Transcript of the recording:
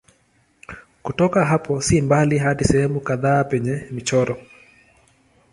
Kutoka hapo si mbali hadi sehemu kadhaa penye michoro.